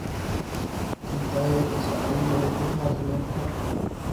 ቪድዮ ትስእል ዲኻ ዘለኻ?